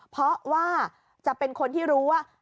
เพราะว่าจะเป็นคนที่รู้ว่า